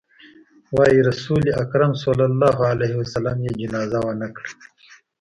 وايي رسول اکرم ص يې جنازه ونه کړه.